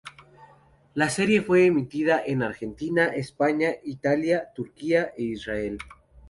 La serie fue emitida en Argentina, España, Italia, Turquía e Israel.